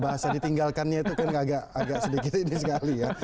bahasa ditinggalkannya itu kan agak sedikit ini sekali ya